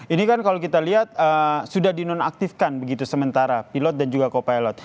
ini kan kalau kita lihat sudah di nonaktifkan begitu sementara pilot dan juga kopilot